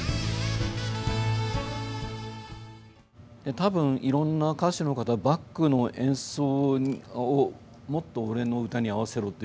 多分いろんな歌手の方バックの演奏をもっと俺の歌に合わせろという格好に。